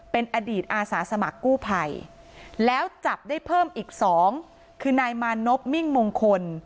เป็นอดีตอาสาสมัครกู้ภัยแล้วจับได้เพิ่มอีก๒คือนายมานพมิ่งมงคล